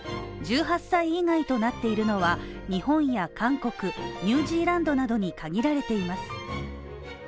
１８歳以外となっているのは日本や韓国、ニュージーランドなどに限られています。